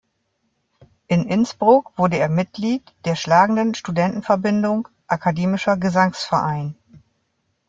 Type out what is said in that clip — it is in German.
In Innsbruck wurde er Mitglied der schlagenden Studentenverbindung Akademischer Gesangsverein.